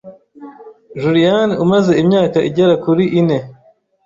Julian umaze imyaka igera kuri ine